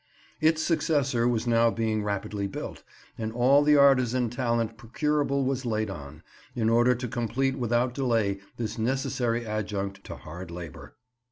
Its successor was now being rapidly built, and all the artisan talent procurable was laid on, in order to complete without delay this necessary adjunct to hard labour.